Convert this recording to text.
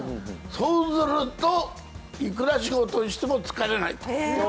そうすると、いくら仕事しても疲れないと。